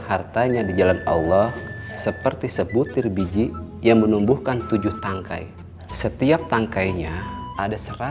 hartanya di jalan allah seperti sebutir biji yang menumbuhkan tujuh tangkai setiap tangkainya ada